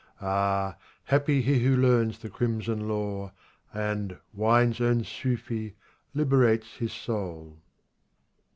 Ah ! happy he who learns the crimson lore, And, wine's own Sufi, liberates his soul.